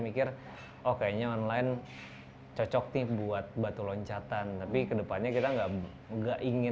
mikir oh kayaknya online cocok nih buat batu loncatan tapi kedepannya kita enggak enggak ingin